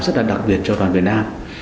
rất là đặc biệt cho đoàn việt nam